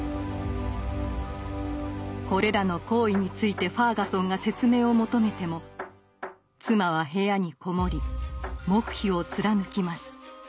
これらの行為についてファーガソンが説明を求めても妻は部屋に籠もり黙秘を貫きます。